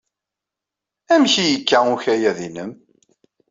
Amek ay yekka ukayad-nnem?